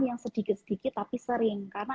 yang sedikit sedikit tapi sering karena